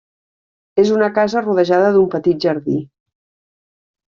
És una casa rodejada d'un petit jardí.